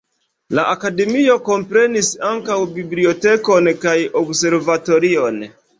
La akademio komprenis ankaŭ bibliotekon kaj observatorion.